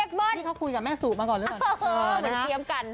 ก็ได้เข้าคุยกับแม่สูบมาก่อนเลยบ้างอย่างเทียมกัน